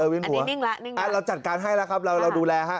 อ๋อวินหัวอันนี้นิ่งละนิ่งละเราจัดการให้ละครับเราดูแลฮะ